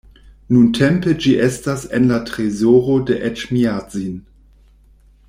Nuntempe ĝi estas en la trezoro de Eĉmiadzin.